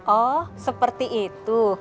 oh seperti itu